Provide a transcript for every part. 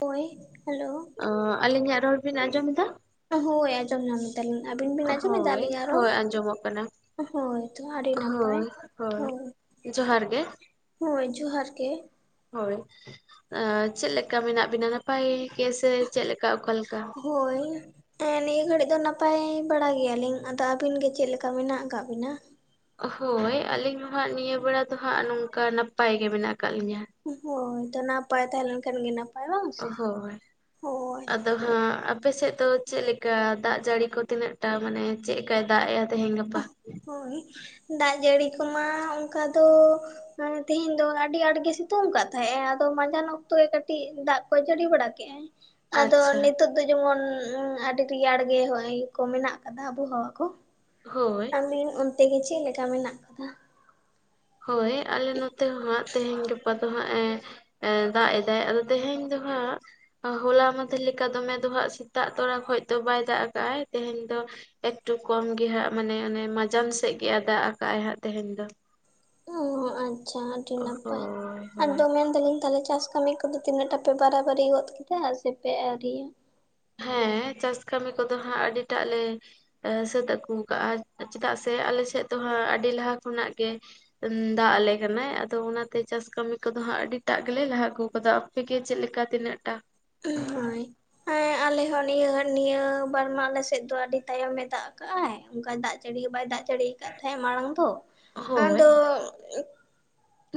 ᱦᱳᱭ ᱦᱮᱞᱳ᱾ ᱚ ᱟᱹᱞᱤᱧᱟᱜ ᱨᱚᱲ ᱵᱤᱱ ᱟᱸᱡᱚᱢ ᱮᱫᱟ? ᱦᱳᱭ ᱟᱸᱡᱚᱢ ᱧᱟᱢ ᱮᱫᱟᱞᱤᱧ ᱟᱹᱵᱤᱱ ᱵᱤᱱ ᱟᱸᱡᱚᱢᱮᱫᱟ ᱦᱳᱭ ᱟᱹᱞᱤᱧ ᱟᱜ ᱨᱚᱲ? ᱦᱳᱭ ᱟᱸᱡᱚᱢᱚᱜ ᱠᱟᱱᱟ ᱦᱳᱭ ᱡᱚᱦᱟᱨᱤ ᱱᱟᱯᱟᱭ ᱦᱳᱭ᱾ ᱡᱚᱦᱟᱨ ᱜᱮ᱾ ᱦᱳᱭ ᱡᱩᱦᱟᱨ ᱜᱮ᱾ ᱦᱳᱭ ᱪᱮᱜ ᱞᱮᱠᱟ ᱢᱮᱱᱟᱜ ᱵᱤᱱᱟ ᱱᱟᱯᱟᱭ ᱜᱮᱥᱮ ᱪᱮᱜ ᱞᱮᱠᱟ ᱚᱠᱟ ᱦᱳᱭ᱾ ᱮᱸ ᱱᱤᱭᱟᱹ ᱜᱷᱟᱹᱲᱤᱡ ᱫᱚ ᱱᱟᱯᱟᱭ ᱵᱟᱲᱟ ᱜᱮᱭᱟᱞᱤᱧ ᱟᱫᱚ ᱟᱹᱵᱤᱱ ᱜᱮ ᱪᱮᱜ ᱞᱮᱠᱟ ᱢᱮᱱᱟᱜ ᱠᱟᱜ ᱵᱤᱱᱟ? ᱦᱳᱭ ᱟᱹᱞᱤᱧ ᱫᱚ ᱦᱟᱸᱜ ᱱᱤᱭᱟᱹ ᱵᱮᱲᱟ ᱫᱚ ᱦᱟᱸᱜ ᱱᱚᱝᱠᱟ ᱱᱟᱯᱟᱭ ᱜᱮ ᱢᱮᱱᱟᱜ ᱠᱟᱜ ᱞᱤᱧᱟ᱾ ᱦᱳᱭ ᱛᱚ ᱱᱟᱯᱟᱭ ᱛᱟᱦᱮᱸ ᱞᱮᱱ ᱠᱷᱟᱱ ᱜᱮ ᱱᱟᱯ ᱦᱳᱭ ᱟᱫ ᱟᱫᱚ ᱦᱟᱸᱜ ᱟᱯᱮᱥᱮᱜ ᱫᱚ ᱪᱮᱜ ᱞᱮᱠᱟ ᱫᱟᱜ ᱡᱟᱹᱲᱤ ᱠᱚ ᱛᱤᱱᱟᱹᱜᱴᱟ ᱢᱟᱱᱮ ᱪᱮᱜ ᱠᱟᱭ ᱫᱟᱜ ᱮᱜᱟ ᱛᱮᱦᱮᱧ ᱜᱟᱯᱟ ᱦᱳᱭ ᱫᱟᱜ ᱡᱟᱹᱲᱤ ᱠᱚᱢᱟ ᱚᱱᱠᱟ ᱫᱚ ᱢᱮ ᱛᱮᱦᱮᱧ ᱫᱚ ᱟᱹᱰᱤ ᱟᱸᱴᱜᱮ ᱥᱤᱛᱩᱝ ᱠᱟᱜ ᱛᱟᱦᱮᱸᱜᱼᱟ ᱟᱫᱚ ᱢᱟᱸᱡᱟᱱ ᱚᱠᱛᱚ ᱜᱮ ᱠᱟᱹᱴᱤᱡ ᱫᱟᱜ ᱠᱚᱭ ᱡᱟᱹᱲᱤ ᱵᱟᱲᱟ ᱠᱮᱜ [inaudible] ᱟᱫᱚ ᱱᱤᱛᱚᱜ ᱫᱚ ᱡᱮᱢᱚᱱ ᱟᱹᱰᱤ ᱨᱮᱭᱟᱲ ᱜᱮ ᱦᱚᱭ ᱠᱚ ᱢᱮᱱᱟᱜ ᱠᱟᱫᱟ ᱟᱵᱚᱦᱟᱣᱟ ᱠᱚ᱾ ᱦᱳᱭ᱾ ᱟᱞᱤᱱ ᱚᱱᱛᱮ ᱜᱮ ᱪᱮᱫ ᱞᱮᱠᱟ ᱢᱮᱱᱟᱜ ᱠᱚᱣᱟ? ᱦᱳᱭ ᱟᱞᱮ ᱱᱚᱛᱮ ᱦᱚ ᱦᱟᱸᱜ ᱛᱮᱦᱮᱧ ᱜᱟᱯᱟ ᱫᱚ ᱮᱸ ᱦᱟᱸᱜᱼ ᱮ ᱫᱟᱜ ᱮᱫᱟᱭ ᱟᱫᱚ ᱛᱮᱦᱮᱧ ᱫᱚ ᱦᱟᱸᱜ ᱦᱚᱞᱟ ᱢᱟᱫᱷᱮᱨ ᱞᱮᱠᱟ ᱫᱚᱢᱮ ᱫᱚ ᱦᱟᱸᱜ ᱥᱮᱛᱟᱜ ᱛᱚᱨᱟ ᱠᱷᱚᱡ ᱫᱚ ᱵᱟᱭ ᱫᱟᱜ ᱟᱠᱟᱜ ᱟᱭ ᱛᱮᱦᱮᱧ ᱫᱚ ᱮᱠᱴᱩ ᱠᱚᱢ ᱜᱮ ᱦᱟᱸᱜ ᱢᱟᱱᱮ ᱚᱱᱮ ᱢᱟᱡᱟᱱ ᱥᱮᱫ ᱜᱮ ᱫᱟᱜ ᱟᱠᱟᱜᱼᱟᱭ ᱦᱟᱸᱜ ᱛᱮᱦᱮᱧ ᱫᱚ᱾ ᱟᱪᱷᱟ ᱟᱹᱰᱤ ᱱᱟᱯᱟᱭ, ᱦᱳᱭ ᱟᱨ ᱦᱳᱭ ᱟᱫᱚ ᱢᱮᱱ ᱫᱟᱞᱤᱧ ᱛᱟᱦᱚᱞᱮ ᱪᱟᱥ ᱠᱟᱹᱢᱤ ᱠᱚᱫᱚ ᱛᱤᱱᱟᱹᱜ ᱴᱟ ᱯᱮ ᱵᱟᱨᱟᱵᱟᱨᱤ ᱜᱚᱫ ᱠᱮᱫᱟ ᱥᱮᱯᱮ ᱟᱹᱨᱤᱭᱟ? ᱦᱮᱸ ᱪᱟᱥ ᱠᱟᱹᱢᱤ ᱠᱚᱫᱚ ᱦᱟᱸᱜ ᱟᱹᱰᱤ ᱴᱟᱜ ᱞᱮ ᱮ ᱥᱟᱹᱛ ᱟᱹᱜᱩ ᱠᱟᱜᱼᱟ ᱪᱮᱫᱟᱜ ᱥᱮ ᱟᱞᱮ ᱥᱮᱫ ᱫᱚ ᱦᱟᱸᱜ ᱟᱹᱰᱤ ᱞᱟᱦᱟ ᱠᱷᱚᱱᱟᱜ ᱜᱮ ᱫᱟᱜ ᱟᱞᱮ ᱠᱟᱱᱟᱭ ᱟᱫᱚ ᱚᱱᱟᱛᱮ ᱪᱟᱥ ᱠᱟᱹᱢᱤ ᱠᱚᱫᱚ ᱦᱟᱸᱜ ᱟᱹᱰᱤᱴᱟᱜ ᱜᱮᱞᱮ ᱞᱟᱦᱟ ᱟᱹᱜᱩ ᱟᱠᱟᱫᱟ ᱾ ᱯᱮᱠᱮ ᱪᱮᱫ ᱞᱮᱠᱟ ᱛᱤᱱᱟᱹᱜ ᱴᱟ? ᱦᱩᱸ ᱦᱚᱭ ᱾ ᱦᱮᱸ ᱟᱞᱮ ᱦᱚᱸ ᱱᱤᱭᱟᱹ ᱱᱤᱭᱟᱹ ᱵᱟᱨᱢᱟ ᱟᱞᱮᱥᱮᱫ ᱫᱚ ᱟᱹᱰᱤ ᱛᱟᱭᱚᱢ ᱮ ᱫᱟᱜ ᱠᱟᱜᱼᱟᱭ, ᱚᱱᱠᱟ ᱫᱟᱜ ᱡᱟᱹᱲᱤ ᱦᱚᱸ ᱵᱟᱭ ᱫᱟᱜ ᱡᱟᱹᱲᱤᱭ ᱟᱠᱟᱫ ᱛᱟᱦᱮᱸᱜ ᱢᱟᱲᱟᱝ ᱫᱚ ᱾ ᱦᱳᱭ ᱟᱫᱚ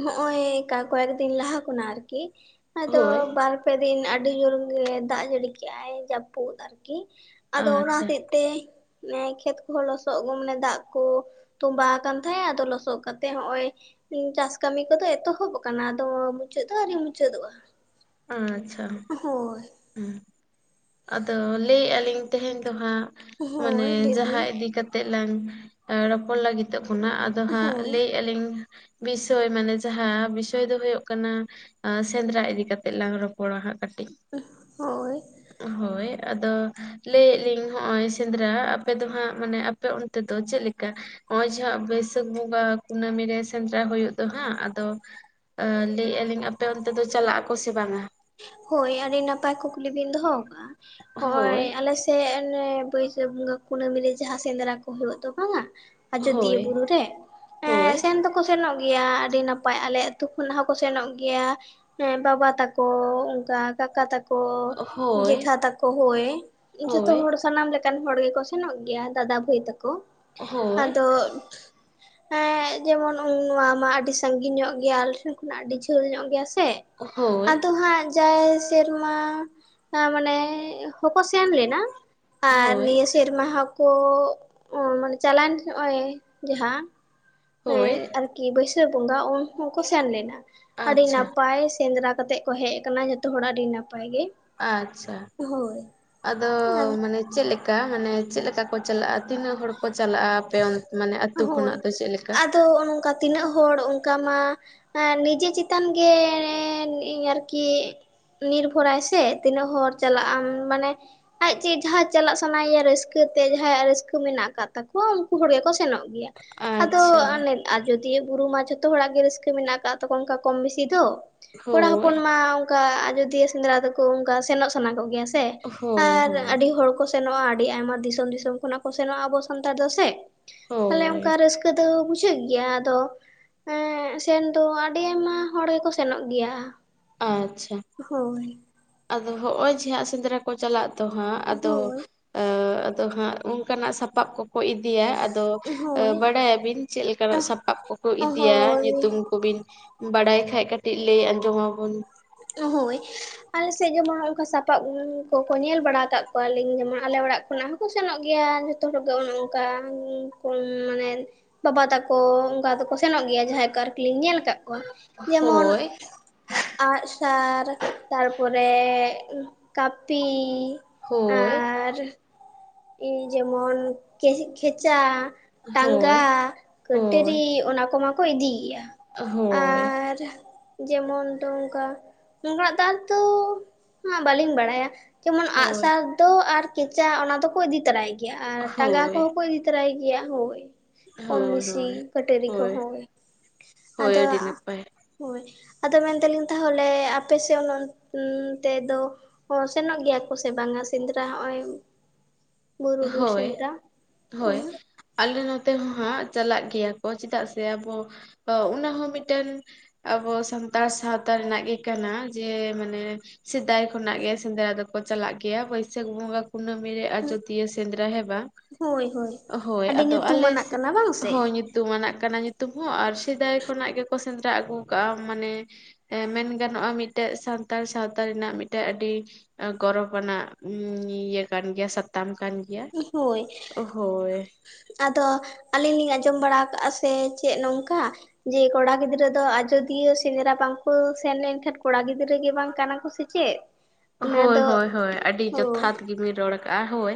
ᱦᱚᱜᱼᱚᱭ ᱠᱟ ᱠᱚᱭᱮᱠ ᱫᱤᱱ ᱞᱟᱦᱟ ᱠᱚᱱᱟ ᱟᱨᱠᱤ ᱾ ᱟᱫᱚ ᱦᱳᱭ ᱵᱟᱨᱯᱮ ᱫᱤᱱ ᱟᱹᱰᱤ ᱡᱳᱨ ᱜᱮ ᱫᱟᱜ ᱡᱟᱹᱲᱤ ᱠᱮᱜᱼᱟᱭ ᱡᱟᱹᱯᱩᱫ ᱟᱨᱠᱤ ᱾ ᱟᱫᱚ ᱚᱱᱟ ᱟᱪᱪᱷᱟ ᱦᱚᱛᱮᱜ ᱛᱮ ᱠᱷᱮᱛ ᱠᱚᱦᱚᱸ ᱞᱚᱥᱚᱫ ᱟᱹᱜᱩ ᱢᱟᱱᱮ ᱫᱟᱜ ᱠᱚ ᱛᱚᱸᱵᱟ ᱟᱠᱟᱱ ᱛᱟᱦᱮᱸᱜ ᱟᱫᱚ ᱞᱚᱥᱚᱫ ᱠᱟᱛᱮᱜ ᱦᱚᱜᱼᱚᱭ ᱦᱩᱸ ᱪᱟᱥ ᱠᱟᱹᱢᱤ ᱠᱚᱫᱚ ᱮᱛᱚᱦᱚᱵ ᱟᱠᱟᱱᱟ ᱟᱫᱚ ᱢᱩᱪᱟᱹᱫ ᱫᱚ ᱟᱨᱤ ᱢᱩᱪᱟᱹᱫᱚᱜᱼᱟ ᱾ ᱟᱪᱪᱷᱟ ᱾ ᱦᱳᱭ ᱾ ᱦᱩᱸ ᱟᱫᱚ ᱞᱟᱹᱭᱮᱜᱼᱟ ᱞᱤᱧ ᱛᱮᱦᱮᱧ ᱫᱚ ᱦᱟᱸᱜ ᱢᱟᱱᱮ ᱦᱳᱭ ᱞᱟᱹᱭ ᱵᱤᱱ ᱡᱟᱦᱟᱸ ᱤᱫᱤ ᱠᱟ ᱛᱮᱜ ᱞᱟᱝ ᱨᱚᱯᱚᱲ ᱞᱟᱹᱜᱤᱛᱚᱜ ᱠᱟᱱᱟ ᱟᱫᱚ ᱦᱟᱸᱜ ᱦᱳᱭ ᱞᱟᱹᱭᱮᱜᱼᱟ ᱞᱤᱧ ᱵᱤᱥᱚᱭ ᱢᱟᱱᱮ ᱡᱟᱦᱟᱸ ᱵᱤᱥᱚᱭ ᱫᱚ ᱦᱩᱭᱩᱜ ᱠᱟᱱᱟ ᱥᱮᱸᱫᱽᱨᱟ ᱤᱫᱤ ᱠᱟᱛᱮᱜ ᱞᱟᱝ ᱨᱚᱯᱚᱲᱟ ᱦᱟᱸᱜ ᱠᱟ ᱴᱤᱡ ᱦᱳᱭ ᱦᱳᱭ ᱾ ᱟᱫᱚ ᱞᱟᱹᱭᱮᱫ ᱞᱤᱧ ᱦᱚᱸᱜᱼᱚᱭ ᱥᱮᱸᱫᱽᱨᱟ ᱟᱯᱮ ᱫᱚ ᱦᱟᱸᱜ ᱢᱟᱱᱮ ᱟᱯᱮ ᱚᱱᱛᱮ ᱫᱚ ᱪᱮᱫ ᱞᱮᱠᱟ? ᱦᱚᱜᱼᱚᱭ ᱡᱟᱦᱟ ᱵᱟᱹᱭᱥᱟᱹᱠᱷ ᱵᱚᱸᱜᱟ ᱠᱩᱱᱟᱹᱢᱤ ᱨᱮ ᱥᱮᱸᱫᱽᱨᱟ ᱦᱩᱭᱩᱜ ᱫᱚ ᱦᱟᱸᱜ, ᱟᱫᱚ ᱟᱸ ᱞᱟᱹᱭᱮᱫᱼᱟ ᱞᱤᱧ ᱟᱯᱮ ᱚᱱᱛᱮ ᱫᱚ ᱪᱟᱞᱟᱜ ᱟᱠᱚ ᱥᱮ ᱵᱟᱝᱟ? ᱦᱳᱭ ᱟᱹᱰᱤ ᱱᱟᱯᱟᱭ ᱠᱩᱠᱞᱤ ᱵᱤᱱ ᱫᱚᱦᱚ ᱟᱠᱟᱫᱟᱼᱟ, ᱦᱚᱜᱼᱚᱭ ᱦᱳᱭ ᱟᱞᱮ ᱥᱮ ᱚᱱᱮ ᱵᱟᱹᱭᱥᱟᱹᱠᱷ ᱵᱚᱸᱜᱟ ᱠᱩᱱᱟᱹᱢᱤ ᱨᱮ ᱡᱟᱦᱟᱸ ᱥᱮᱸᱫᱽᱨᱟ ᱠᱚ ᱦᱩᱭᱩᱜ ᱫᱚ ᱵᱟᱝᱟ ᱟᱡᱚᱫᱤᱭᱟᱹ ᱵᱩᱨᱩ ᱨᱮ ᱾ ᱮᱸ ᱥᱮᱱ ᱫᱚ ᱠᱚ ᱠᱚ ᱥᱮᱱᱚᱜ ᱜᱮᱭᱟ ᱟᱹᱰᱤ ᱱᱟᱯᱟᱭ ᱟᱞᱮ ᱟᱹᱛᱩ ᱠᱷᱚᱱᱟᱜ ᱦᱚᱸᱠᱚ ᱥᱮᱱᱚᱜ ᱜᱮᱭᱟ ᱾ ᱦᱮᱸ ᱵᱟᱵᱟ ᱛᱟ ᱠᱚ ᱚᱝᱠᱟ ᱠᱟᱠᱟ ᱛᱟ ᱠᱚ ᱡᱮᱠᱷᱟ ᱛᱟᱠᱚ ᱦᱳᱭ ᱡᱚᱛᱚ ᱦᱚᱲ ᱥᱟᱱᱟᱢ ᱞᱮ ᱠᱟᱱ ᱦᱚᱲ ᱜᱮᱠᱚ ᱥᱮᱱᱚᱜ ᱜᱮᱭᱟ ᱫᱟᱫᱟ ᱵᱷᱟᱹᱭ ᱛᱟᱠᱚ ᱾ ᱟᱫᱚ ᱮᱸ ᱮᱸᱻ ᱡᱮᱢᱚᱱ ᱱᱚᱣᱟ ᱢᱟ ᱟᱹᱰᱤ ᱥᱟᱺᱜᱤᱧ ᱧᱚᱜ ᱜᱮᱭᱟ ᱟᱞᱮ ᱴᱷᱮᱱ ᱠᱷᱚᱱᱟᱜ ᱟᱹᱰᱤ ᱡᱷᱟᱹᱞ ᱧᱚᱜ ᱜᱮᱭᱟ ᱥᱮ ᱾ ᱟᱫᱚ ᱦᱟᱸᱜ ᱡᱟᱭ ᱥᱮᱨᱢᱟ ᱢᱟᱱᱮ ᱦᱚᱸᱠᱚ ᱥᱮᱱ ᱞᱮᱱᱟ ᱾ ᱟᱨ ᱦᱳᱭ, ᱱᱤᱭᱟᱹ ᱥᱮᱨᱢᱟ ᱦᱚᱠᱚ ᱚ ᱢᱟᱱᱮ ᱪᱟᱞᱟᱣᱮᱱ ᱱᱚᱜᱼᱚᱭ ᱡᱟᱦᱟᱸ ᱦᱳᱭ, ᱦᱮᱸ ᱟᱨᱠᱤ ᱵᱟᱹᱭᱥᱟᱹᱠᱷ ᱵᱚᱸᱜᱟ ᱩᱱ ᱦᱚᱸᱠᱚ ᱥᱮᱱ ᱞᱮᱱᱟ, ᱟᱹᱰᱤ ᱟᱪᱪᱷᱟ, ᱱᱟᱯᱟᱭ ᱥᱮᱸᱫᱽᱨᱟ ᱠᱟᱛᱮᱜ ᱠᱚ ᱦᱮᱡ ᱟᱠᱟᱱᱟ ᱡᱚᱛᱚ ᱦᱚᱲᱟᱜ ᱟᱹᱰᱤ ᱱᱟᱯᱟᱭ ᱜᱮ ᱾ ᱟᱪᱪᱷᱟ, ᱟᱫᱚ ᱢᱟᱱᱮ ᱪᱮᱫ ᱞᱮ ᱠᱟ ᱢᱟᱱᱮ ᱪᱮᱫ ᱞᱮᱠᱟ ᱠᱚ ᱪᱟᱞᱟᱜᱼᱟ ᱛᱤᱱᱟᱹᱜ ᱦᱚᱲ ᱠᱚ ᱪᱟᱞᱟᱜᱼᱟ ᱟᱯᱮ ᱚᱱ ᱢᱟᱱᱮ ᱟᱹᱛᱩ ᱦᱳᱭ ᱠᱷᱚᱱᱟᱜ ᱫᱚ ᱪᱮᱫ ᱞᱮᱠᱟ? ᱟᱫᱚ ᱚᱱᱠᱟ ᱛᱤᱱᱟᱹᱜ ᱦᱚᱲ ᱚᱱᱠᱟ ᱢᱟ ᱟᱸ ᱱᱤᱡᱮ ᱪᱮᱛᱟᱱ ᱜᱮ ᱟᱨᱠᱤ ᱱᱤᱨᱵᱷᱚᱨᱟᱭ ᱥᱮ ᱛᱤᱱᱟᱹᱜ ᱦᱚᱲᱚᱨ ᱪᱟᱞᱟᱜ ᱟᱢ ᱢᱟᱱᱮ ᱟᱡ ᱪᱮᱡ ᱡᱟᱦᱟᱸ ᱪᱟᱞᱟᱜ ᱥᱟᱱᱟᱭᱮᱭᱟ ᱨᱟᱹᱥᱠᱟᱹ ᱛᱮ ᱡᱟᱦᱟᱸᱭᱟᱜ ᱨᱟᱹᱥᱠᱟᱸ ᱢᱮᱱᱟᱜ ᱟᱠᱟᱫ ᱛᱟᱠᱚᱣᱟ ᱩᱱᱠᱩ ᱦᱚᱲ ᱜᱮᱠᱚ ᱥᱮᱱᱚᱜ ᱜᱮᱭᱟ ᱟᱫᱚ ᱟᱪᱪᱷᱟ, ᱟᱡᱚᱫᱤᱭᱤᱭᱟᱹ ᱵᱩᱨᱩ ᱢᱟ ᱡᱷᱚᱛᱚ ᱦᱚᱲᱟᱜ ᱜᱮ ᱨᱟᱹᱥᱠᱟᱹ ᱢᱮᱱᱟᱜ ᱟᱠᱟᱫ ᱛᱚᱠᱚ ᱚᱱᱠᱟ ᱠᱚᱢ ᱵᱮᱥᱤ ᱫᱚ᱾ ᱠᱚᱲᱟ ᱦᱳᱭ, ᱦᱚᱯᱚᱱ ᱢᱟ ᱚᱝᱠᱟ ᱟᱡᱚᱫᱤᱭᱟᱹ ᱥᱮᱸᱫᱽᱨᱟ ᱫᱚᱠᱚ ᱚᱝᱠᱟ ᱥᱮᱱᱚᱜ ᱥᱟᱱᱟ ᱠᱚᱜᱮᱭᱟ᱾ ᱥᱮ ᱦᱳᱭ, ᱟᱨ ᱦᱳᱭ, ᱟᱹᱰᱤ ᱦᱚᱲ ᱠᱚ ᱥᱮᱱᱚᱜᱼᱟ᱾ ᱟᱹᱰᱤ ᱟᱭᱢᱟ ᱫᱤᱥᱚᱢ ᱫᱤᱥᱚᱢ ᱠᱷᱚᱱᱟᱜ ᱠᱚ ᱥᱮᱱᱚᱜᱼᱟ ᱟᱵᱚ ᱥᱟᱱᱛᱟᱲ ᱫᱚ ᱥᱮ᱾ ᱛᱟᱦᱞᱮ ᱦᱳᱭ, ᱚᱝᱠᱟ ᱨᱟᱹᱥᱠᱟᱹ ᱫᱚ ᱵᱩᱡᱷ ᱵᱩᱡᱷᱟᱹᱜ ᱜᱮᱭᱟ ᱟᱫᱚ ᱮᱸ ᱥᱮᱱ ᱫᱚ ᱟᱹᱰᱤ ᱟᱭᱢᱟ ᱦᱚᱲ ᱜᱮᱠᱚ ᱥᱮᱱᱚᱜ ᱜᱮᱭᱟ ᱟᱪᱪᱷᱟ ᱦᱳᱭ ᱟᱫᱚ ᱦᱚᱜ ᱚᱭ ᱡᱮ ᱦᱟᱸ ᱥᱮᱸᱫᱽᱨᱟ ᱠᱚ ᱪᱟᱞᱟᱜ ᱟᱫᱚ ᱦᱟᱸᱜ ᱟᱫᱚ ᱦᱳᱭ ᱟᱫᱚ ᱟ ᱦᱟᱸᱜ ᱚᱱᱠᱟᱱᱟᱜ ᱥᱟᱯᱟᱵ ᱠᱚᱠᱚ ᱤᱫᱤᱭᱟ ᱟᱫᱚ ᱦᱳᱭ ᱵᱟᱰᱟᱭ ᱟᱵᱤᱱ ᱪᱮᱫ ᱞᱮᱠᱟᱱᱟᱜ ᱥᱟᱯᱟᱵ ᱠᱚᱠᱚ ᱤᱫᱤᱭᱟ ᱦᱳᱭ ᱧᱩᱛᱩᱢ ᱠᱚᱵᱤᱱ ᱵᱟᱲᱟᱭ ᱠᱷᱟ ᱠᱟᱹᱴᱤᱡ ᱞᱟᱹᱭ ᱟᱸᱡᱚᱢ ᱟᱵᱚᱱ ᱦᱳᱭ᱾ ᱟᱞᱮᱥᱮᱜ ᱡᱮᱢᱚᱱ ᱦᱚᱝᱠᱟ ᱥᱟᱯᱟᱵ ᱠᱚᱠᱚ ᱧᱮᱞ ᱵᱟᱲᱟ ᱟᱠᱟᱫ ᱠᱚᱣᱟᱞᱤᱧ ᱡᱮᱢᱚᱱ ᱟᱞᱮ ᱚᱲᱟᱜ ᱠᱷᱚᱱᱟᱜ ᱦᱚᱸ ᱠᱚ ᱥᱮᱱᱚᱜ ᱜᱮᱭᱟ ᱡᱚᱛᱚ ᱦᱚᱲᱜᱮ ᱚᱱᱮ ᱚᱱᱠᱟ ᱢᱟᱱᱮ ᱵᱟᱵᱟ ᱛᱟᱠᱚ ᱚᱝᱠᱟ ᱫᱚᱠᱚ ᱥᱮᱱᱚᱜ ᱜᱮᱭᱟ, ᱡᱟᱦᱟᱸᱭ ᱠᱚ ᱟᱨᱠᱤ ᱞᱤᱧ ᱧᱮᱞ ᱟᱠᱟᱫ ᱠᱚᱣᱟ᱾ ᱡᱮᱢᱚᱱ ᱦᱳᱭ ᱟᱜ ᱥᱟᱨ ᱛᱟᱨᱯᱚᱨᱮ ᱠᱟᱹᱯᱤ ᱦᱳᱭ᱾ ᱤᱡ ᱡᱮᱢᱚᱱ ᱠᱤ ᱠᱷᱮᱪᱟ ᱴᱟᱸᱜᱟ ᱦᱳᱭ ᱦᱳᱭ ᱠᱟᱹᱴᱟᱹᱨᱤ ᱚᱱᱟ ᱠᱚᱢᱟᱠᱚ ᱤᱫᱤᱭᱮᱭᱟ᱾ ᱦᱳᱭ᱾ ᱟᱨ ᱡᱮᱢᱚᱱᱚ ᱫᱝᱠᱟ ᱱᱠᱟᱱᱟᱜ ᱫᱟᱜ ᱫᱚᱚ ᱵᱟᱹᱞᱤᱧ ᱵᱟᱲᱟᱭᱟ᱾ ᱡᱮᱢᱚᱱ ᱦᱳᱭ ᱟᱜᱥᱟᱨ ᱫᱚ ᱟᱨ ᱠᱮᱪᱟ ᱚᱱᱟ ᱫᱚᱠᱚ ᱤᱫᱤ ᱛᱚᱨᱟᱭ ᱜᱮᱭᱟ, ᱟᱨ ᱴᱟᱸᱜᱟ ᱦᱳᱭ ᱠᱚᱦᱚᱸ ᱠᱚ ᱤᱫᱤ ᱛᱟᱭᱟ ᱛᱟᱨᱟᱭ ᱜᱮᱭᱟ ᱦᱳᱭ᱾ ᱦᱳᱭ ᱠᱚᱢ ᱵᱤᱥᱤ ᱦᱳᱭ ᱠᱟᱹᱴᱟᱹᱨᱤ ᱦᱳᱭ ᱠᱚᱦᱚᱸ ᱦᱳᱭ ᱟᱫᱚ ᱟᱹᱰᱤ ᱱᱟᱯᱟᱭ ᱦᱳᱭ ᱟᱫᱚ ᱢᱮᱱᱫᱟᱞᱤᱧ ᱛᱟᱦᱚᱞᱮ ᱟᱯᱮ ᱚᱱᱮ ᱚᱱᱛᱮ ᱛᱮᱫᱚ ᱚ ᱥᱮᱱᱚᱜ ᱜᱮᱭᱟ ᱠᱚ ᱥᱮ ᱵᱟᱝᱟ ᱥᱮᱸᱫᱽᱨᱟ ᱦᱚᱸᱜᱼᱚᱭ ᱵᱩᱨᱩ ᱵᱤᱨ ᱦᱳᱭ ᱥᱮᱸᱫᱽᱨᱟ ᱦᱮᱸ ᱦᱳᱭ᱾ ᱟᱞᱮ ᱱᱚᱛᱮ ᱦᱚᱸ ᱦᱟᱸᱜ ᱪᱟᱞᱟᱜ ᱜᱮᱭᱟ ᱠᱚ᱾ ᱪᱮᱫᱟᱜ ᱥᱮ ᱟᱵᱚ ᱩᱱᱟ ᱦᱚᱸ ᱢᱤᱴᱮᱱ ᱟᱵᱚ ᱥᱟᱱᱛᱟᱲ ᱥᱟᱶᱛᱟ ᱨᱮᱱᱟᱜ ᱜᱮ ᱠᱟᱱᱟ ᱡᱮ ᱢᱟᱱᱮ ᱥᱮᱫᱟᱭ ᱠᱷᱚᱱᱟᱜ ᱜᱮ ᱥᱮᱸᱫᱽᱨᱟ ᱫᱚᱠᱚ ᱪᱟᱞᱟᱜ ᱜᱮᱭᱟ᱾ ᱵᱟᱹᱭᱥᱟᱹᱠ ᱵᱚᱸᱜᱟ ᱠᱩᱱᱟᱹᱢᱤ ᱨᱮ ᱟᱡᱫ ᱥᱮᱸᱫᱽᱨᱟ ᱦᱮ ᱵᱟᱝ ᱦᱳᱭ ᱦᱳᱭ ᱦᱳᱭ ᱟᱹᱰᱤ ᱟᱞᱮ ᱧᱩᱛᱩᱢᱟᱱᱟᱜ ᱥᱮᱜ ᱠᱟᱱᱟ ᱵᱟᱝ ᱥᱮ ᱦᱳ ᱧᱩᱛᱩᱢ ᱟᱱᱟᱜ ᱠᱟᱱᱟ ᱧᱩᱛᱩᱢ ᱦᱚ, ᱸ ᱟᱨ ᱥᱤᱫᱟᱭ ᱠᱷᱚᱱᱟᱜ ᱜᱮᱠᱚ ᱥᱮᱸᱫᱽᱨᱟ ᱟᱹᱜᱩ ᱠᱟᱜᱼᱟ ᱢᱟᱱᱮ ᱢᱮᱱ ᱜᱟᱱᱚᱜᱼᱟ᱾ ᱢᱤᱫᱴᱮᱱ ᱥᱟᱱᱛᱟᱲ ᱥᱟᱶᱛᱟ ᱨᱮᱱᱟᱜ ᱢᱤᱫᱴᱮᱱ ᱟᱹᱰᱤ ᱜᱚᱨᱚᱵ ᱟᱱᱟᱜ ᱤᱭᱟᱹ ᱠᱟᱱ ᱜᱮᱭᱟ ᱥᱟᱛᱟᱢ ᱠᱟᱱ ᱜᱮᱭᱟ ᱦᱳᱭ ᱦᱳᱭ ᱟᱫᱚ ᱟᱹᱞᱤᱧ ᱞᱤᱧ ᱟᱸᱡᱚᱢ ᱵᱟᱲᱟ ᱠᱟᱜᱼᱟ᱾ ᱥᱮ ᱪᱮᱫ ᱱᱚᱝᱠᱟ ᱡᱮ ᱠᱚᱲᱟ ᱜᱤᱫᱽᱨᱟᱹ ᱫᱚ ᱟᱡᱚᱫᱤᱭᱟᱹ ᱥᱮᱸᱫᱽᱨᱟ ᱵᱟᱝᱠᱚ ᱥᱮᱱ ᱠᱷᱟᱱ ᱠᱚᱲᱟ ᱜᱤᱫᱽᱨᱟᱹ ᱜᱮ ᱵᱟᱝ ᱠᱟᱱᱟ ᱠᱚ ᱥᱮ ᱪᱮᱫ? ᱚᱱᱟ ᱦᱳᱭ ᱫᱚ ᱦᱳᱭ ᱦᱳᱭ ᱟᱹᱰᱤ ᱦᱳᱭ ᱡᱚᱛᱷᱟᱛ ᱜᱮᱤᱢᱤᱱ ᱨᱚᱲ ᱠᱟᱜᱼᱟ ᱦᱳᱭ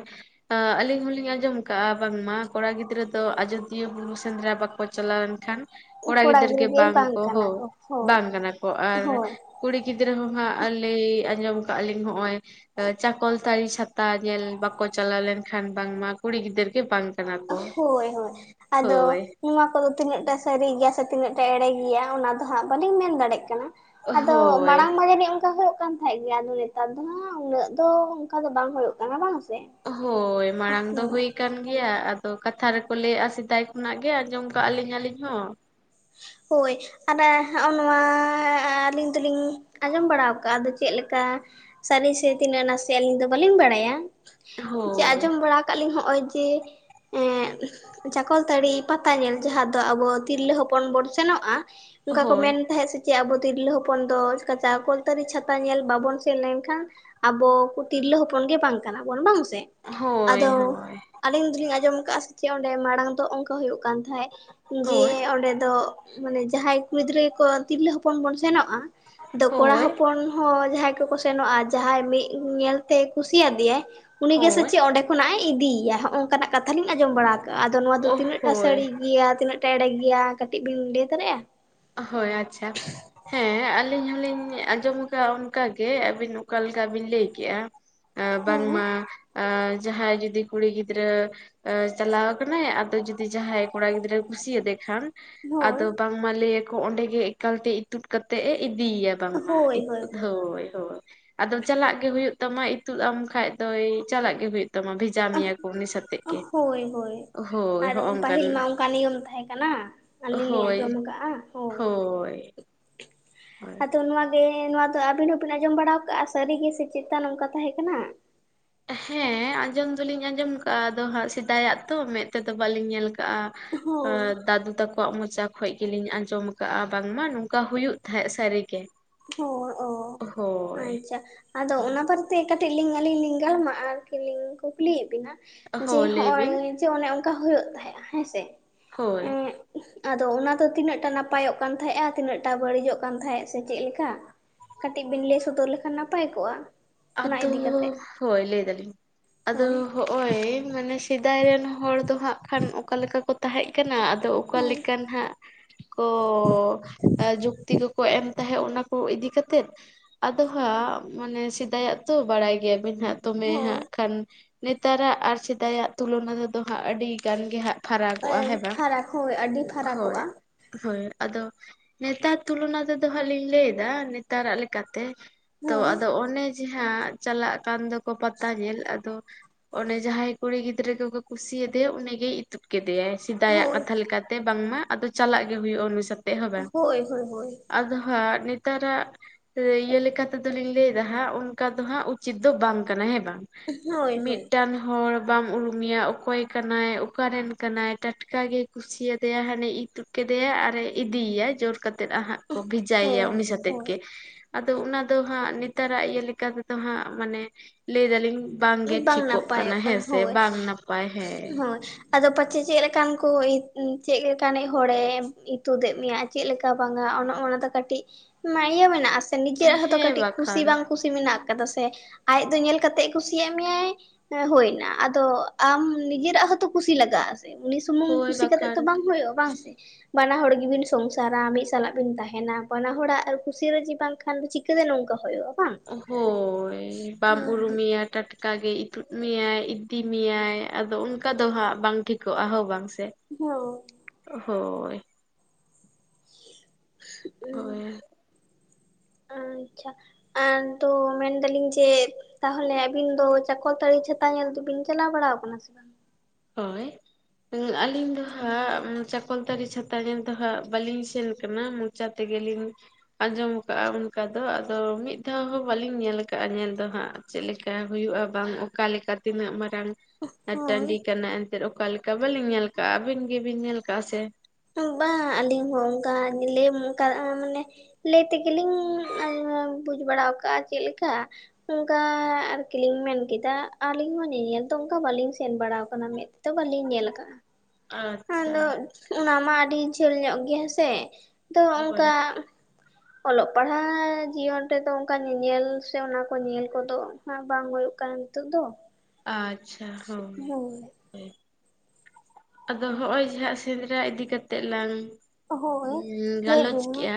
ᱟᱞᱤᱧ ᱦᱚᱞᱤᱧ ᱟᱸᱡᱚᱢ ᱠᱟᱜᱼᱟ᱾ ᱵᱟᱝᱢᱟ ᱠᱚᱲᱟ ᱜᱤᱫᱽᱨᱟᱹ ᱫᱚ ᱟᱡᱚᱫᱤᱭᱟᱹ ᱵᱩᱨᱩ ᱥᱮᱸᱫᱽᱨᱟ ᱵᱟᱠᱚ ᱪᱟᱞᱟᱣ ᱞᱮᱱᱠᱷᱟᱱ ᱠᱚᱲᱟ ᱜᱤᱫᱟᱹᱨ ᱜᱮ ᱵᱟᱝ ᱠᱚ ᱦᱳ ᱵᱟᱝ ᱠᱟᱱᱟ ᱠᱚ ᱟᱨ ᱦᱳᱭ ᱠᱩᱲᱤ ᱜᱤᱫᱽᱨᱟᱹ ᱦᱚᱸ ᱦᱟᱸᱜ ᱞᱟᱹᱭ ᱟᱸᱡᱚᱢ ᱠᱟᱜ-ᱟ ᱞᱤᱧ ᱦᱚᱜᱼᱚᱭ ᱪᱟᱠᱚᱞᱛᱟᱲᱤ ᱪᱷᱟᱛᱟ ᱧᱮᱞ ᱵᱟᱠᱚ ᱪᱟᱞᱟᱣ ᱞᱮᱱ ᱠᱷᱟᱱ ᱵᱟᱝ ᱢᱟ ᱠᱩᱲᱤ ᱜᱤᱫᱟᱹᱨ ᱜᱮ ᱵᱟᱝ ᱠᱟᱱᱟ ᱠᱚ ᱦᱳᱭ ᱦᱳᱭ, ᱟᱫᱚ ᱦᱳᱭ ᱱᱚᱣᱟ ᱠᱚ ᱫᱚ ᱛᱤᱱᱟᱹᱜ ᱴᱟ ᱥᱟᱨᱤ ᱜᱮᱭᱟ ᱥᱮ ᱛᱤᱱᱟᱹᱜ ᱴᱟ ᱮᱲᱮ ᱜᱮᱭᱟ ᱚᱱᱟ ᱫᱚ ᱦᱟᱸᱜ ᱵᱟᱹᱞᱤᱧ ᱢᱮᱱ ᱫᱟᱲᱮᱜ ᱠᱟᱱᱟ ᱟᱫᱚ ᱦᱳᱭ ᱢᱟᱲᱟᱝ ᱢᱟ ᱡᱟᱱᱤᱡ ᱚᱱᱠᱟ ᱦᱳᱭᱳᱜ ᱠᱟᱱ ᱠᱷᱟᱡ ᱜᱮ ᱟᱫᱚ ᱱᱮᱛᱟᱨ ᱫᱚ ᱦᱟᱸᱜ ᱩᱱᱟᱹᱜ ᱫᱚ ᱚᱱᱠᱟ ᱫᱚ ᱵᱟᱝ ᱦᱳᱭᱳᱜ ᱠᱟᱱᱟ, ᱵᱟᱝ ᱥᱮ? ᱦᱳᱭ ᱢᱟᱲᱟᱝ ᱫᱚ ᱦᱩᱭ ᱠᱟᱱ ᱜᱮᱭᱟ ᱟᱫᱚ ᱠᱟᱛᱷᱟ ᱨᱮ ᱠᱚ ᱞᱟᱹᱭᱟᱜᱼᱟ ᱥᱮᱫᱟᱭ ᱠᱷᱚᱱᱟᱜ ᱜᱮ ᱟᱸᱡᱚᱢ ᱠᱟᱜ-ᱟ ᱞᱤᱧ ᱟᱹᱞᱤᱧ ᱦᱚᱸ᱾ ᱦᱳᱭ, ᱟᱫᱟ ᱦᱚᱸᱜᱼᱚ ᱱᱚᱣᱟ ᱟᱹᱞᱤᱧ ᱫᱩᱞᱤᱧ ᱟᱸᱡᱚᱢ ᱵᱟᱲᱟᱣ ᱠᱟᱜ-ᱟ ᱟᱫᱚ ᱪᱮᱫ ᱞᱮᱠᱟ ᱥᱟᱨᱤ ᱥᱮ ᱛᱤᱱᱟᱹᱜ ᱱᱟᱥᱮ ᱟᱹᱞᱤᱧ ᱫᱚ ᱵᱟᱹᱞᱤᱧ ᱵᱟᱲᱟᱭᱟ? ᱡᱮ ᱦᱳᱭ ᱟᱸᱡᱚᱢ ᱵᱟᱲᱟ ᱠᱟᱜ-ᱟ ᱞᱤᱧ ᱦᱚᱸᱜᱼᱚᱭ ᱡᱮ ᱮᱸᱻ ᱪᱟᱠᱚᱞᱛᱟᱲᱤ ᱯᱟᱛᱟ ᱧᱮᱞ ᱡᱟᱦᱟᱸ ᱫᱚ ᱟᱵᱚ ᱛᱤᱨᱞᱟᱹ ᱦᱚᱯ ᱯᱚᱱ ᱵᱚᱱ ᱥᱮᱱᱚᱜᱼᱟ, ᱚᱱᱠᱟ ᱠᱚ ᱢᱮᱱ ᱛᱟᱦᱮᱸᱫ ᱥᱮ ᱪᱮᱫ ᱟᱵᱚ ᱛᱤᱨᱞᱟᱹ ᱦᱚᱯᱚᱱ ᱫᱚ ᱪᱮᱠᱟ ᱪᱟᱠᱚᱞᱛᱟᱲᱤ ᱪᱷᱟᱛᱟ ᱧᱮᱞ ᱵᱟᱵᱚᱱ ᱥᱮᱱ ᱞᱮᱱ ᱠᱷᱟᱱ ᱟᱵᱚ ᱠᱚ ᱛᱤᱨᱞᱟᱹ ᱦᱚᱯᱚᱱ ᱜᱮ ᱵᱟᱝ ᱠᱟᱱᱟ ᱵᱚᱱ ᱵᱟᱝ ᱥᱮ? ᱦᱳᱭ ᱦᱳᱭ, ᱟᱞᱤᱧ ᱫᱩᱞᱤᱧ ᱟᱸᱡᱚᱢ ᱠᱟᱜᱼᱟ ᱥᱮ ᱪᱮᱫ ᱚᱸᱰᱮ ᱢᱟᱲᱟᱝ ᱫᱚ ᱚᱱᱠᱟ ᱦᱳᱭᱳᱜ ᱠᱟᱱ ᱛᱟᱦᱮᱸᱫ ᱡᱮ ᱚᱸᱰᱮ ᱫᱚ ᱢᱟᱱᱮ ᱡᱟᱦᱟᱸᱭ ᱠᱩᱲᱤ ᱜᱤᱫᱽᱨᱟᱹ ᱠᱚ ᱛᱤᱨᱞᱟᱹ ᱦᱚᱯᱚᱱ ᱵᱚᱱ ᱥᱮᱱᱚᱜᱼᱟ, ᱫᱚ ᱠᱚᱲᱟ ᱦᱚᱯᱚᱱ ᱦᱚᱸ ᱡᱟᱦᱟᱸᱭ ᱠᱚ ᱠᱚ ᱥᱮᱱᱚᱜᱼᱟ ᱡᱟᱦᱟᱸᱭ ᱢᱤᱫ ᱧᱮᱞᱛᱮ ᱠᱩᱥᱤᱭᱟᱫᱮᱭᱟᱭ ᱩᱱᱤ ᱜᱮ ᱥᱮᱪ ᱪᱮᱫ ᱚᱸᱰᱮ ᱠᱷᱚᱱᱟᱜᱼ ᱮ ᱤᱫᱤᱭᱟ ᱦᱚᱜᱼᱚᱝᱠᱟᱱᱟᱜ ᱠᱟᱛᱷᱟ ᱞᱤᱧ ᱟᱸᱡᱚᱢ ᱵᱟᱲᱟ ᱠᱟ ᱟᱫᱚ ᱱᱚᱣᱟ ᱫᱚ ᱛᱤᱱᱟᱹᱜ ᱴᱟ ᱥᱟᱲᱤ ᱜᱮᱭᱟ ᱛᱤᱱᱟᱹᱜ ᱴᱟ ᱮᱲᱮ ᱜᱮᱭᱟ ᱠᱟᱹᱴᱤᱡ ᱵᱤᱱ ᱞᱟᱹᱭ ᱫᱟᱲᱮᱜᱼᱟ? ᱦᱳᱭ, ᱟᱪᱪᱷᱟ, ᱦᱮᱸ ᱟᱹᱞᱤᱧ ᱦᱚᱸᱞᱤᱧ ᱟᱸᱡᱚᱢ ᱠᱟᱜᱼᱟ ᱚᱱᱠᱟ ᱜᱮ ᱟᱹᱵᱤᱱ ᱚᱠᱟ ᱞᱮᱠᱟ ᱵᱤᱱ ᱞᱟᱹᱭ ᱠᱮᱜᱼᱟ᱾ ᱵᱟᱝ ᱦᱮᱸ ᱢᱟ ᱡᱟᱦᱟᱸᱭ ᱡᱩᱫᱤ ᱠᱩᱲᱤ ᱜᱤᱫᱽᱨᱟᱹ, ᱪᱟᱞᱟᱣ ᱠᱟᱱᱟᱭ ᱟᱫᱚ ᱡᱩᱫᱤ ᱡᱟᱦᱟᱸᱭ ᱠᱚᱲᱟ ᱜᱤᱫᱽᱨᱟᱹ ᱠᱩᱥᱤᱭᱟᱫᱮ ᱠᱷᱟᱱ ᱟᱫᱚ ᱦᱳᱭ ᱵᱟᱝ ᱢᱟ ᱞᱟᱹᱭ ᱟᱠᱚ ᱚᱸᱰᱮ ᱜᱮ ᱮᱠᱟᱞ ᱛᱮ ᱤᱛᱩᱫ ᱠᱟᱛᱮᱜ ᱮ ᱤᱫᱤᱭᱟ᱾ ᱵᱟᱝ ᱢᱟ, ᱦᱳᱭ ᱦᱳᱭ ᱟᱫᱚ ᱪᱟᱞᱟᱜ ᱜᱮ ᱦᱳᱭᱳᱜ ᱛᱟᱢᱟ ᱤᱛᱩᱫ ᱟᱢ ᱠᱷᱟᱡ ᱫᱚᱭ ᱪᱟᱞᱟᱜ ᱜᱮ ᱦᱳᱭᱳᱜ ᱛᱟᱢᱟ ᱵᱷᱮ ᱦᱳᱭ ᱦᱳᱭ ᱦᱳᱭ ᱟᱨ ᱦᱚᱜᱼᱚᱝᱠᱟᱱ ᱯᱟᱹᱦᱤᱞ ᱢᱟ ᱚᱝᱠᱟ ᱱᱤᱭᱚᱢ ᱛᱟᱦᱮᱸ ᱠᱟᱱᱟ᱾ ᱟᱹᱞᱤᱧ ᱞᱤᱧ ᱦᱳᱭ ᱟᱸᱡᱚᱢ ᱠᱟᱜᱼᱟ᱾ ᱦᱳᱭ, ᱦᱳᱭ ᱟᱫᱚ ᱱᱚᱣᱟ ᱮᱸᱻ ᱱᱚᱣᱟ ᱫᱚ ᱟᱹᱵᱤᱱ ᱦᱚᱸᱵᱤᱱ ᱟᱸᱡᱚᱢ ᱵᱟᱲᱟᱣ ᱠᱟᱜᱼᱟ ᱥᱟᱨᱤ ᱜᱮ ᱥᱮ ᱪᱮᱛᱟ ᱱᱚᱝ ᱠᱟ ᱛᱟᱦᱮᱸ ᱠᱟᱱᱟ? ᱦᱮᱸ ᱟᱸᱡᱚᱢ ᱫᱚᱞᱤᱧ ᱟᱸᱡᱚᱢ ᱠᱟᱜ-ᱟ, ᱟᱫᱚ ᱦᱟᱸᱜ ᱥᱮᱫᱟᱭᱟᱜ ᱛᱚ ᱢᱮᱫ ᱛᱮ ᱫᱚ ᱵᱟᱞᱤᱧ ᱧᱮᱞ ᱠᱟᱜᱼᱟ᱾ ᱦᱳᱭ ᱫᱟᱫᱩ ᱛᱟᱠᱚ, ᱠᱚᱣᱟᱜ ᱢᱚᱪᱟ ᱠᱷᱚᱡ ᱜᱤᱞᱤᱧ ᱟᱸᱡᱚᱢ ᱠᱟᱜᱼᱟ ᱵᱟᱝ ᱢᱟ ᱱᱚᱝᱠᱟ ᱦᱩᱭᱩᱜ ᱛᱟᱦᱮᱸᱜ ᱥᱟᱨᱤ ᱜᱮ, ᱚ ᱟᱪᱪᱷᱟ, ᱟᱫᱚ ᱚᱱᱟ ᱵᱟᱨ ᱛᱮ ᱠᱟᱹᱴᱤᱡ ᱞᱤᱧ ᱟᱹᱞᱤᱧ ᱞᱤᱧ ᱜᱟᱞᱢᱟᱜ-ᱟ ᱟᱨᱠᱤ ᱞᱤᱧ ᱠᱩᱠᱞᱤᱭᱮᱫ ᱵᱤᱱᱟ ᱡᱮ ᱦᱳᱭ ᱞᱟᱹᱭ ᱵᱤᱱ ᱱᱚᱜᱼᱚᱭ ᱚᱱᱮ ᱚᱱᱠᱟ ᱦᱳᱭᱳᱜ ᱛᱟᱦᱮᱸᱜᱼᱟ ᱦᱮᱸ ᱥᱮ? ᱦᱳᱭ, ᱟᱫᱚ ᱚᱱᱟ ᱫᱚ ᱛᱤᱱᱟᱹᱜ ᱴᱟ ᱱᱟᱯᱟᱭᱚᱜ ᱠᱟᱱ ᱛᱟᱦᱮᱸᱜ-ᱟ, ᱛᱤᱱᱟᱹᱜ ᱴᱟ ᱵᱟᱹᱲᱤᱡᱚᱜ ᱠᱟᱱ ᱛᱟᱦᱮᱸᱜ? ᱥᱮ ᱪᱮᱫ ᱞᱮᱠᱟ, ᱠᱟᱹᱴᱤᱡ ᱵᱤᱱ ᱞᱟᱹᱭ ᱥᱚᱫᱚᱨ ᱞᱮᱠᱷᱟᱱ ᱱᱟᱯᱟᱭ ᱠᱚᱜᱼᱟ? ᱚᱱᱟ ᱤᱫᱤ ᱠᱟᱛᱮᱜ ᱟᱫᱚᱻ, ᱦᱳᱭ ᱞᱟᱹᱭ ᱫᱟᱞᱤᱧ ᱟᱫᱚ ᱦᱳᱭ ᱦᱚᱜ-ᱚᱭ ᱢᱟᱱᱮ ᱥᱮᱫᱟᱭ ᱨᱮᱱ ᱦᱚᱲ ᱫᱚ ᱦᱟᱸᱜ ᱠᱷᱟᱱ ᱚᱠᱟ ᱞᱮᱠᱟ ᱠᱚ ᱛᱟᱦᱮᱸᱜ ᱠᱟᱱᱟ ᱟᱫᱚ ᱦᱳᱭ ᱞᱮᱠᱟᱱ ᱦᱟᱸᱜ ᱠᱚᱻ ᱡᱩᱠᱛᱤ ᱠᱚ ᱠᱚ ᱮᱢ ᱛᱟᱦᱮᱸᱫ ᱚᱱᱟᱠᱚ ᱤᱫᱤ ᱠᱟᱛᱮᱫ, ᱟᱫᱚ ᱦᱟᱸᱜ ᱢᱟᱱᱮ ᱥᱮᱫᱟᱭᱟᱜ ᱛᱚ, ᱵᱟᱲᱟᱭ ᱜᱮᱭᱟᱵᱮᱱ ᱦᱟᱸᱜ ᱫᱚᱢᱮ ᱦᱳᱭ ᱦᱟᱸᱜ ᱠᱷᱟᱱ ᱱᱮᱛᱟᱨᱟᱜ ᱟᱨ ᱥᱮᱫᱟᱭᱟᱜ ᱛᱩᱞᱚᱱᱟ ᱨᱮᱫᱚ ᱦᱟᱸᱜ ᱟᱰᱤ ᱜᱟᱱ ᱜᱮ ᱦᱟᱸᱜ ᱯᱷᱟᱨᱟᱜᱚᱜᱼᱟ ᱦᱮᱸ ᱵᱟᱝ? ᱯᱷᱟᱨᱟᱠ ᱦᱳᱭ ᱟᱹᱰᱤ ᱦᱳᱭ ᱯᱷᱟᱨᱟᱠᱚᱜᱼᱟ ᱾ ᱦᱳᱭ, ᱟᱫᱚ ᱱᱮᱛᱟᱨ ᱛᱩᱞᱚᱱᱟ ᱛᱮᱫᱚ ᱦᱟᱸᱜ ᱞᱤᱧ ᱞᱟᱹᱭ ᱮᱫᱟ, ᱱᱮᱛᱟᱨᱟᱜ ᱞᱮᱠ ᱠᱟᱛᱮ ᱛᱚ ᱦᱳᱭ ᱟᱫᱚ ᱚᱱᱮ ᱡᱮᱦᱟᱸ ᱪᱟᱞᱟᱜ ᱠᱟᱱ ᱫᱚᱠᱚ ᱯᱟᱛᱟ ᱧᱮᱞ ᱟᱫᱚ ᱚᱱᱰᱮ ᱡᱟᱦᱟᱸᱭ ᱠᱩᱲᱤ ᱜᱤᱫᱽᱨᱟᱹ ᱜᱮᱠᱚ ᱠᱩᱥᱤᱭᱟ ᱫᱮᱭᱟ ᱩᱱᱤ ᱜᱮᱭ ᱤᱫ ᱛᱩᱫ ᱠᱮᱫᱮᱭᱟᱭ ᱥᱮᱫᱟᱭᱟᱜ ᱦᱳᱭ ᱠᱟᱛᱷᱟ ᱞᱮᱠᱟᱛᱮ, ᱵᱟᱝᱢᱟ ᱟᱫᱚ ᱪᱟᱞᱟᱜ ᱜᱮ ᱦᱩᱭᱩᱜᱼᱟ ᱩᱱᱤ ᱥᱟᱛᱮ ᱾ ᱦᱮ ᱵᱟᱝ, ᱦᱳᱭ ᱦᱳᱭ ᱦᱳᱭ ᱟᱫᱚ ᱦᱟᱜ ᱱᱤᱛ ᱱᱮᱛᱟᱨᱟᱜ ᱤᱭᱟᱹ ᱞᱮᱠᱟ ᱛᱮ ᱫᱚᱞᱤᱧ ᱞᱟᱹᱭ ᱮᱫᱟ ᱦᱟᱸᱜ, ᱚᱱᱠᱟ ᱫᱚ ᱦᱟᱸᱜ ᱩᱪᱤᱛ ᱫᱚ ᱵᱟᱝ ᱠᱟᱱᱟ ᱦᱮᱸ ᱵᱟᱝ? ᱦᱳᱭ ᱦᱳᱭ ᱢᱤᱫᱴᱟᱝ ᱦᱚᱲ ᱵᱟᱢ ᱩᱨᱩᱢᱮᱭᱟ ᱚᱠᱚᱭ ᱠᱟᱱᱟᱭ, ᱚᱠᱟᱨᱮᱱ ᱠᱟᱱᱟᱭ, ᱴᱟᱴᱠᱟ ᱜᱮᱭ ᱠᱩᱥᱤᱭᱟᱫᱮᱭᱟ ᱦᱟᱱᱮ ᱤᱛᱩᱫ ᱠᱮᱫᱮᱭᱟᱭ ᱟᱨᱮ ᱤᱫᱤᱭᱟᱭ ᱡᱳᱨ ᱠᱟᱛ ᱛᱮᱫ ᱦᱟᱸᱜ ᱠᱚ ᱦᱳᱭ ᱵᱷᱮᱡᱟᱭᱮᱭᱟ ᱩᱱᱤ ᱥᱟᱛᱮᱫ ᱦᱳᱭ ᱜᱮ, ᱟᱫᱚ ᱚᱱᱟ ᱫᱚ ᱦᱟᱸᱜ ᱱᱮᱛᱟᱨᱟᱜ ᱤᱭᱟᱹ ᱞᱮᱠᱟ ᱞᱮᱠᱟ ᱛᱮᱫᱚ ᱦᱟᱸᱜ, ᱢᱟᱱᱮ ᱞᱟᱹᱭ ᱫᱟᱞᱤᱧ ᱵᱟᱝ ᱜᱮ ᱴᱷᱤᱠᱚᱜ ᱠᱟᱱᱟ ᱦᱮᱸ ᱥᱮ, ᱵᱟᱝ ᱱᱟᱯᱟᱭ ᱦᱮᱸ ᱾ ᱦᱳᱭ ᱟᱫᱚ ᱯᱟᱪᱮ ᱪᱮᱫ ᱞᱮᱠᱟᱱ ᱠᱚ ᱪᱮᱫ ᱞᱮᱠᱟᱱᱤᱡ ᱦᱚᱲᱮ ᱤᱛᱩᱫ ᱮ ᱢᱮᱭᱟ ᱪᱮᱫ ᱞᱮᱠᱟ ᱵᱟᱝᱟ, ᱚᱱᱮ ᱚᱱᱟ ᱫᱚ ᱠᱟᱹᱴᱤᱡ ᱤᱭᱟᱹ ᱢᱮᱱᱟᱜᱼᱟᱥᱮ ᱱᱤᱡᱮᱨᱟᱜ ᱦᱚᱸᱛᱚ ᱦᱮᱸ ᱠᱟᱹᱴᱤᱡ ᱠᱩᱥᱤ ᱵᱟᱠᱷᱟᱱ ᱵᱟᱝ ᱠᱩᱥᱤ ᱢᱮᱱᱟᱜ ᱟᱠᱟᱫᱟ ᱥᱮ, ᱟᱡ ᱫᱚ ᱧᱮᱞ ᱠᱟᱛᱮᱜ ᱠᱩᱥᱤᱭᱟᱜ ᱢᱮᱭᱟᱭ ᱦᱳᱭ ᱮᱱᱟ, ᱟᱫᱚ ᱟᱢ ᱱᱤᱡᱮᱨᱟᱜ ᱦᱚᱸᱛᱚ ᱠᱩᱥᱤ ᱞᱟᱜᱟᱜ-ᱟ ᱾ ᱩᱱᱤ ᱥᱩᱢᱩᱝ ᱦᱳᱭ ᱠᱩᱥᱤ ᱠᱟᱛᱮᱜ ᱵᱟᱠᱷᱟᱱ ᱛᱚ ᱵᱟᱝ ᱦᱩᱭᱩᱜᱼᱟ ᱵᱟᱝ ᱥᱮ? ᱵᱟᱱᱟ ᱦᱚᱲ ᱜᱮᱵᱤᱱ ᱥᱚᱝᱥᱟᱨᱟ, ᱢᱤᱫ ᱥᱟᱞᱟᱜ ᱵᱤᱱ ᱛᱟᱦᱮᱱᱟ, ᱵᱟᱱᱟ ᱦᱚᱲᱟᱜ ᱟᱨ ᱠᱩᱥᱤ ᱨᱟᱡᱤ ᱵᱟᱝᱠᱷᱟᱱ ᱫᱚ ᱪᱤᱠᱟᱹᱛᱮ ᱱᱚᱝᱠᱟ ᱦᱩᱭᱩᱜᱼᱟ᱾ ᱵᱟᱝ ᱦᱳᱭ ᱵᱟᱢ ᱦᱳᱭ ᱩᱨᱩᱢᱤᱭᱟ ᱴᱟᱴ ᱠᱟᱜᱮ ᱤᱛᱩᱫ ᱢᱮᱭᱟᱭ ᱤᱫᱤ ᱢᱮᱭᱟᱭ, ᱟᱫᱚ ᱚᱱᱠᱟ ᱫᱚ ᱦᱟᱸᱜ ᱵᱟᱝ ᱴᱷᱤᱠᱚᱜᱼᱟ ᱦᱚᱸ ᱵᱟᱝ ᱥᱮ? ᱦ ᱦᱳᱭ ᱾ ᱦᱳᱭ ᱾ ᱟᱪᱷᱟ, ᱟᱱ ᱛᱚ ᱢᱮᱱᱫᱟᱞᱤᱧ ᱡᱮ ᱛᱟᱦᱚᱞᱮ ᱟᱵᱤᱱ ᱫᱚ ᱪᱟᱠᱚᱞ ᱛᱟᱹᱲᱤ ᱪᱷᱟᱛᱟ ᱧᱮᱞ ᱫᱚᱵᱤᱱ ᱪᱟᱞᱟᱣ ᱵᱟᱲᱟ ᱟᱠᱟᱱᱟ ᱥᱮ ᱵᱟᱝ? ᱦᱳᱭ ᱾ ᱟᱞᱤᱧ ᱫᱚ ᱦᱟᱸᱜ ᱪᱟᱠᱚᱞᱛᱟᱹᱨᱤ ᱪᱷᱟᱛᱟ ᱧᱮᱞ ᱫᱚ ᱦᱟᱸᱜ ᱵᱟᱹᱞᱤᱧ ᱥᱮᱱ ᱟᱠᱟᱱᱟ᱾ ᱡᱟᱛᱮ ᱜᱮᱞᱤᱧ ᱟᱸᱡᱚᱢ ᱟᱠᱟᱫᱼᱟ ᱚᱱᱠᱟ ᱫᱚ, ᱟᱫᱚ ᱢᱤᱫ ᱫᱷᱟᱣ ᱦᱚᱸ ᱵᱟᱞᱤᱧ ᱧᱮᱞ ᱟᱠᱟᱫᱼᱟ ᱧᱮᱞ ᱫᱚ ᱦᱟᱸᱜ ᱾ ᱪᱮᱫ ᱞᱮᱠᱟ ᱦᱩᱭᱩᱜᱼᱟ, ᱵᱟᱝ ᱚᱠᱟ ᱞᱮᱠᱟ ᱛᱤᱱᱟᱹᱜ ᱢᱟᱨᱟᱝ ᱾ ᱟᱨ ᱦᱳᱭ ᱴᱟᱺᱰᱤ ᱠᱟᱱᱟ ᱮᱱᱛᱮᱫ ᱚᱠᱟᱞᱮᱠᱟ, ᱵᱟᱹᱞᱤᱧ ᱧᱮᱞ ᱠᱟᱜᱼᱟ ᱟᱹᱵᱤᱱ ᱜᱮᱵᱤᱱ ᱧᱮᱞ ᱠᱟᱜᱼᱟ ᱥᱮ? ᱵᱟᱝ ᱟᱹᱞᱤᱧ ᱦᱚᱸ ᱚᱱᱠᱟ ᱞᱮ ᱚᱱᱠᱟ ᱢᱟᱱᱮ ᱞᱟᱹᱭ ᱛᱮᱜᱮᱞᱤᱧ ᱟ ᱵᱩᱡᱽ ᱵᱟᱲᱟ ᱟᱠᱟᱜᱼᱟ ᱪᱮᱞᱮᱠᱟ ᱾ ᱚᱱᱠᱟ ᱟᱨᱠᱤᱞᱤᱧ ᱢᱮᱱ ᱠᱮᱫᱟ, ᱟᱞᱤᱧ ᱦᱚᱸ ᱧᱮᱧᱮᱞ ᱫᱚ ᱚᱱᱠᱟ ᱵᱟᱹᱞᱤᱧ ᱥᱮᱱ ᱵᱟᱲᱟᱣ ᱟᱠᱟᱱᱟ ᱢᱮᱫ ᱛᱚ ᱵᱟᱹᱞᱤᱧ ᱧᱮᱞ ᱟᱠᱟᱜᱼᱟ, ᱟᱪᱪᱷᱟ ᱟᱫᱚ ᱚᱱᱟ ᱢᱟ ᱟᱹᱰᱤ ᱡᱷᱟᱹᱞ ᱧᱚᱜ ᱜᱮ ᱦᱮᱸᱥᱮ ᱾ ᱛᱚ ᱦᱳᱭ ᱚᱱᱠᱟ [unintelligible] ᱚᱞᱚᱜ ᱯᱟᱲᱦᱟᱜ ᱡᱤᱭᱚᱱ ᱨᱮᱫᱚ ᱚᱱᱠᱟ ᱧᱮᱧᱮᱞ ᱥᱮ ᱚᱱᱟ ᱠᱚ ᱧᱮᱞ ᱠᱚᱫᱚ ᱟ ᱵᱟᱝ ᱦᱩᱭᱩᱜ ᱠᱟᱱᱟ ᱱᱤᱛᱳ ᱫᱚ᱾ ᱟᱪᱷᱟ, ᱦᱳᱭ ᱾ ᱟᱫᱚ ᱦᱚᱜ ᱚᱭ ᱡᱟᱦᱟ ᱥᱮᱸᱫᱽᱨᱟ ᱤᱫᱤ ᱠᱟᱛᱮᱜ ᱞᱟᱝ ᱦᱳᱭ ᱦᱩᱸ ᱞᱟᱹᱭ ᱜᱟᱞᱚᱪ ᱵᱤᱱ ᱢᱟ ᱠᱮᱜᱼᱟ,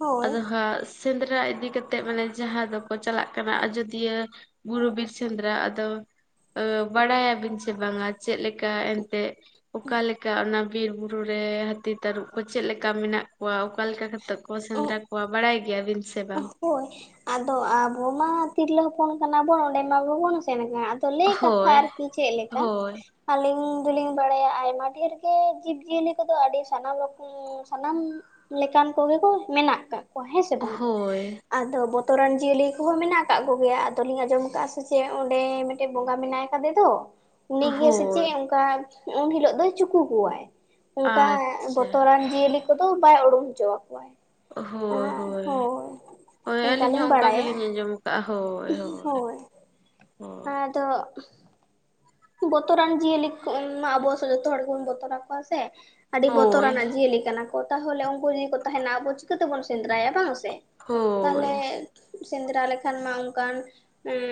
ᱦᱳᱭ ᱟᱫᱚ ᱦᱟᱸᱜ ᱥᱮᱸᱫᱽᱨᱟ ᱤᱫᱤ ᱠᱟᱛᱮᱫ ᱢᱟᱱᱮ ᱡᱟᱦᱟᱸ ᱫᱚᱠᱚ ᱪᱟᱞᱟᱜ ᱠᱟᱱᱟ ᱟᱡᱳᱫᱤᱭᱟᱹ, ᱵᱩᱨᱩ ᱵᱤᱨ ᱥᱮᱫᱽᱨᱟ ᱟᱫᱚ ᱵᱟᱲᱟᱭᱟᱵᱤᱱ ᱥᱮ ᱵᱟᱝᱟ ᱪᱮᱫ ᱞᱮᱠᱟ ᱮᱱᱛᱮᱜ ᱚᱠᱟ ᱞᱮᱠᱟ ᱚᱱᱟ ᱵᱤᱨ ᱵᱩᱨᱩ ᱨᱮ ᱦᱟᱹᱛᱤ ᱛᱟᱹᱨᱩᱵ ᱠᱚ ᱪᱮᱫ ᱞᱮᱠᱟ ᱢᱮᱱᱟᱜ ᱠᱚᱣᱟ ᱚᱠᱟ ᱞᱮᱠᱟ ᱠᱟ ᱛᱮ ᱠᱚ ᱥᱮᱸᱫᱽᱨᱟ ᱠᱚᱣᱟ ᱵᱟᱲᱟᱭ ᱜᱮᱭᱟ ᱵᱤᱱ ᱥᱮ ᱵᱟᱝ? ᱦᱳᱭ, ᱟᱫᱚ ᱟᱵᱚ ᱢᱟ ᱛᱤᱨᱞᱟᱹ ᱦᱚᱯᱚᱱ ᱠᱟᱱᱟᱵᱚᱱ ᱚᱸᱰᱮ ᱢᱟ ᱵᱟᱵᱚᱱ ᱥᱮᱱ ᱟᱠᱟᱱᱟ, ᱟ ᱫᱚ ᱞᱟᱹᱭ ᱠᱟᱛᱷᱟ ᱦᱳᱭ ᱟᱨᱠᱤ ᱪᱮᱫ ᱞᱮᱠᱟ, ᱦᱳᱭ ᱟᱞᱤᱧ ᱫᱚᱞᱤᱧ ᱵᱟᱲᱟᱭᱟ ᱟᱭᱢᱟ ᱰᱷᱮᱨ ᱜᱮ ᱡᱤᱵ ᱡᱤᱭᱟᱹᱞᱤ ᱠᱚᱫᱚ ᱟᱹᱰᱤ ᱥᱟᱱᱟᱢ ᱨᱚᱠᱚᱢ ᱥᱟᱱᱟᱢ ᱞᱮᱠᱟᱱ ᱠᱚᱜᱮ ᱠᱚ ᱢᱮᱱᱟᱜ ᱠᱟᱜ ᱠᱚᱣᱟ ᱦᱮᱸ ᱥᱮ ᱵᱟᱝᱟ? ᱦᱳᱭ ᱟᱫᱚ ᱵᱚᱛᱚᱨᱟᱱ ᱡᱤᱭᱟᱹᱞᱤ ᱠᱚᱦᱚᱸ ᱢᱮᱱᱟᱜ ᱠᱟᱫ ᱠᱚᱜᱮᱭᱟ ᱟᱫᱚᱞᱤᱧ ᱟᱸᱡᱚᱢ ᱠᱟᱫᱼᱟ ᱥᱮ ᱪᱮᱫ ᱚᱸᱰᱮ ᱰᱮ ᱵᱚᱸᱜᱟ ᱢᱮᱱᱟᱭ ᱠᱟᱫᱮ ᱫᱚ᱾ ᱩᱱᱤ ᱜᱮ ᱥᱮ ᱪᱮᱫ ᱦᱳᱭ ᱚᱝᱠᱟ, ᱩᱱ ᱦᱤᱞᱳᱜ ᱫᱚᱭ ᱪᱩᱠᱩ ᱠᱚᱣᱟᱭ᱾ ᱚᱝᱠᱟ ᱟᱪᱪᱷᱟ ᱵᱚᱛᱚᱨᱟᱱ ᱡᱤᱭᱟᱹᱞᱤ ᱠᱚᱫᱚ ᱵᱟᱭ ᱩᱲᱩᱝ ᱦᱚᱪᱚ ᱟᱠᱚᱣᱟᱭ᱾ ᱦᱳᱭ ᱦᱳᱭ᱾ ᱦᱳᱭ ᱟᱹᱞᱤᱧ ᱦᱚᱸ ᱚᱱᱠᱟᱞᱤᱧ ᱚᱝᱠᱟ ᱵᱟᱲᱟᱭᱟ ᱜᱮᱞᱤᱧ ᱟᱸᱡᱚᱢ ᱠᱟᱜᱼᱟ ᱦᱳᱭ ᱦᱳᱭ ᱦᱳᱭ᱾ ᱟᱫᱚ ᱵᱚᱛᱚᱨᱟᱱ ᱡᱤᱭᱟᱹᱞᱤ ᱠᱚ ᱚᱱ ᱢᱟ ᱟᱵᱚ ᱥᱮᱫ ᱡᱚᱛᱚ ᱦᱚᱲ ᱜᱮᱵᱚᱱ ᱵᱚᱛᱚᱨ ᱟᱠᱚᱣᱟ ᱥᱮ, ᱟᱹᱰᱤ ᱵᱚᱛᱚᱨ ᱦᱳᱭ ᱟᱱᱟᱜ ᱡᱤᱭᱟᱹᱞᱤ ᱠᱟᱱᱟ ᱠᱚ ᱛᱟᱦᱚᱞᱮ ᱩᱝᱠᱩ ᱡᱤᱫᱤ ᱠᱚ ᱛᱟᱦᱮᱱᱟ ᱟᱵᱚ ᱪᱤᱠᱟᱹ ᱛᱮᱵᱚᱱ ᱥᱮᱸᱫᱽᱨᱟᱭᱟ ᱵᱟᱝ ᱥᱮ᱾ ᱛᱟᱦᱚᱞᱮ ᱥᱮᱸᱫᱽᱨᱟ ᱞᱮᱠᱷᱟᱱ ᱢᱟ ᱚᱝᱠᱟᱱ ᱮᱸᱻ